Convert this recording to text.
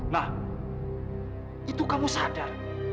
nah itu kamu sadar